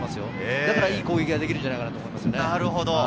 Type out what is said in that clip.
だからいい攻撃ができるのではないかと思います。